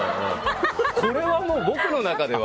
これはもう僕の中では。